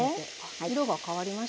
色が変わりましたね。